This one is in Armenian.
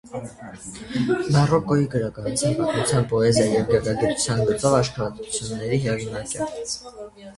Բարոկկոյի գրականության պատմության, պոեզիայի և գեղագիտության գծով աշխատությունների հեղինակ է։